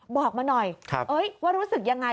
บอกมาหน่อยว่ารู้สึกยังไง